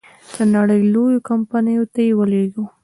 د نړی لویو کمپنیو ته یې ولېږه.